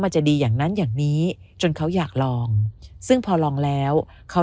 จะดีอย่างนั้นอย่างนี้จนเขาอยากลองซึ่งพอลองแล้วเขา